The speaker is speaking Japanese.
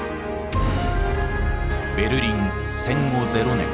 「ベルリン戦後ゼロ年」。